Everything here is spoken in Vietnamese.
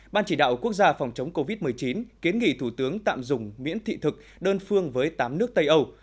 ban chỉ đạo quốc gia phòng chống covid một mươi chín kiến nghị thủ tướng tạm dùng miễn thị thực đơn phương với tám nước tây âu